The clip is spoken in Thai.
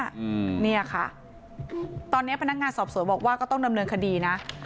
ตอนนี้ทางนี้พนักงานสอบสวยบอกต้องดำเนินคดีนะ